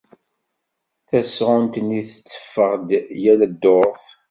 Tasɣunt-nni tetteffeɣ-d yal dduṛt.